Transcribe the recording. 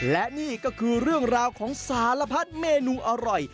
และนี่ก็คือเรื่องราวของสารพัดเมนูอร่อย